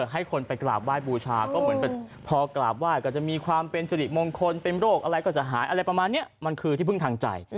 ให้คนไปกราบไหว้บูชาก็เหมือนพอกราบไหว้ก็จะมีความเป็นสุริมงคลเป็นโรคอะไรก็จะหายอะไรประมาณนี้มันคือที่พึ่งทางใจ